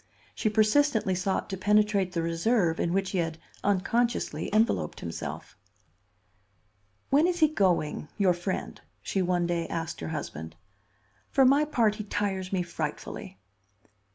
She persistently sought to penetrate the reserve in which he had unconsciously enveloped himself. "When is he going—your friend?" she one day asked her husband. "For my part, he tires me frightfully."